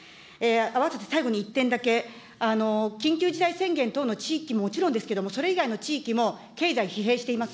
あわせて最後に一点だけ、緊急事態宣言等の地域ももちろんですけれども、それ以外の地域も、経済疲弊しています。